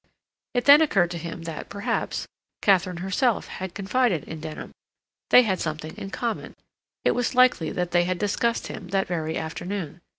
It then occurred to him that, perhaps, Katharine herself had confided in Denham; they had something in common; it was likely that they had discussed him that very afternoon.